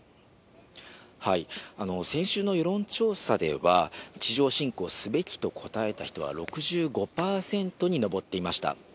先週の世論調査では、地上侵攻すべきと答えた人は６５％に上っていました。